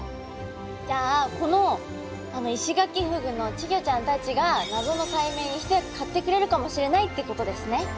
じゃあこのイシガキフグの稚魚ちゃんたちが謎の解明に一役かってくれるかもしれないってことですね。